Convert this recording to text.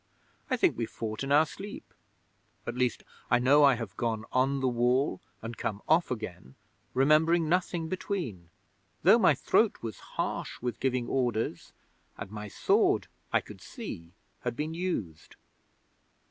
I think we fought in our sleep. At least I know I have gone on the Wall and come off again, remembering nothing between, though my throat was harsh with giving orders, and my sword, I could see, had been used.